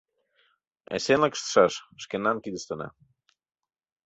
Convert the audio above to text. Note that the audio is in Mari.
Эсенлык ыштышаш — шкенан кидыштына.